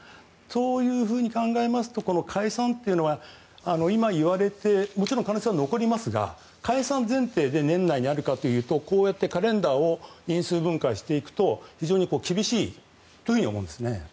そういうふうに考えますと解散というのはもちろん可能性は残りますが解散前提で年内にあるかというとこうやってカレンダーを因数分解していくと非常に厳しいと思うんですね。